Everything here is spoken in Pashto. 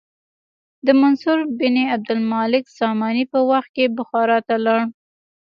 د منصور بن عبدالمالک ساماني په وخت کې بخارا ته لاړ.